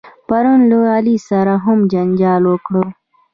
پرون له علي سره هم جنجال وکړ.